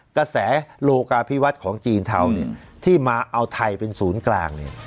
เนื้อแสโลกาพิวัติของจีนเทาเนี่ยที่มาเอาไทยเป็นศูนย์กลางเนี่ย